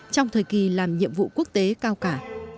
trong thời kỳ làm nhiệm vụ quốc tế cao cả